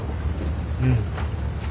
うん。